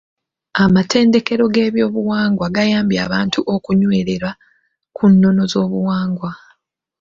Amatendekero g'ebyobuwangwa gayambye abantu okunywera ku nnono z'obuwangwa.